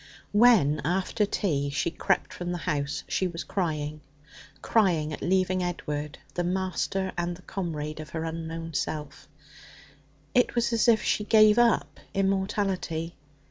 When, after tea, she crept from the house, she was crying crying at leaving Edward, the master and the comrade of her unknown self. It was as if she gave up immortality.